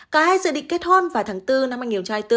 cả hai dự định kết hôn vào tháng bốn năm hai nghìn hai mươi bốn